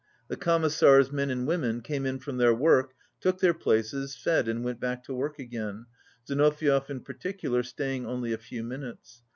The Commissars, men and women, came in from their work, took their places, fed and went back to work again, Zinoviev in particular stay ing only a few minutes.